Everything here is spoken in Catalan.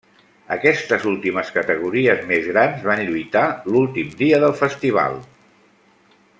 Aquestes últimes categories més grans van lluitar l'últim dia del Festival.